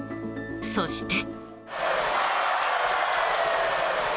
そして。